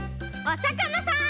おさかなさん！